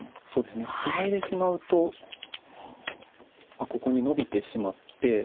ツナいでしまうとここにノビてしまって。